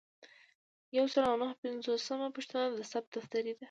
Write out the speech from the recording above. یو سل او نهه پنځوسمه پوښتنه د ثبت دفتر دی.